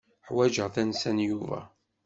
Ḥwajeɣ tansa n Yuba.